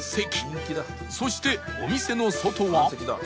そしてお店の外は